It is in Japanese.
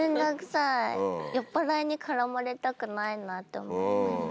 酔っぱらいに絡まれたくないなって思いました。